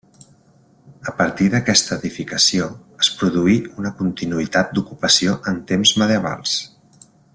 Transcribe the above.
A partir d'aquesta edificació es produí una continuïtat d'ocupació en temps medievals.